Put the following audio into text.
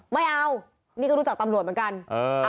ไม่เอานี่ก็รู้จักตำรวจเหมือนกัน